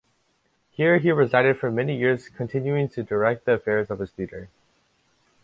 Here he resided for many years continuing to direct the affairs of his theatre.